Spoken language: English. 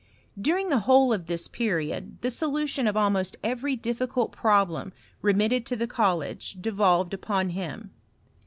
During the whole of this period the solution of almost every difficult problem remitted to the college devolved upon him.